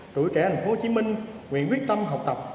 trụ trẻ hồ chí minh nguyện quyết tâm học tập